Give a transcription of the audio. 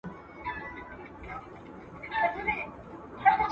تاسي کولای شئ خپل غږ په راډیو کې واورئ.